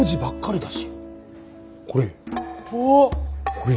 これ。